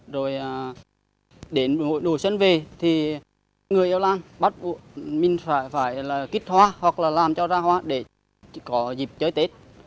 rồi đến mỗi độ xuân về thì người yêu lan bắt buộc mình phải kích hoa hoặc là làm cho ra hoa để có dịp chơi tết